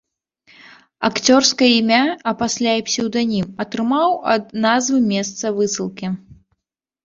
Акцёрскае імя, а пасля і псеўданім, атрымаў ад назвы месца высылкі.